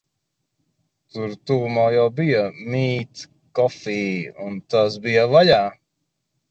Tur tuvumā jau bija MiiT Coffee, un tas bija vaļā.